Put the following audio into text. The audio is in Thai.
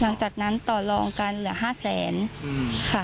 หลังจากนั้นต่อรองกันเหลือ๕๐๐๐๐๐บาทค่ะ